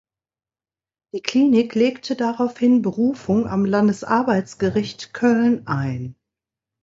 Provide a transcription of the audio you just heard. Die Klinik legte daraufhin Berufung am Landesarbeitsgericht Köln ein.